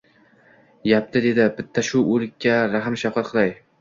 yapti, — dedi. — Bitta shu... o‘likka rahm-shafqat qilay-